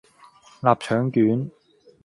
臘腸卷